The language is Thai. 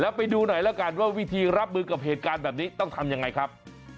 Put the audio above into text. ไปดูหน่อยแล้วกันว่าวิธีรับมือกับเหตุการณ์แบบนี้ต้องทำยังไงครับ